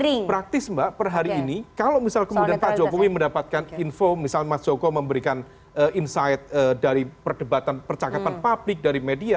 tapi praktis mbak per hari ini kalau misal kemudian pak jokowi mendapatkan info misal mas joko memberikan insight dari perdebatan percakapan publik dari media